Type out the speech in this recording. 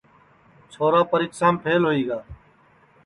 پرسو پریکشام پھیل ہوئی گا